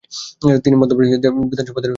তিনি মধ্য প্রদেশ বিধানসভার সদস্যও ছিলেন।